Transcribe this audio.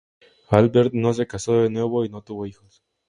Albert no se casó de nuevo y no tuvo hijos.